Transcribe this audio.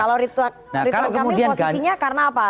kalau ridwan kamil posisinya karena apa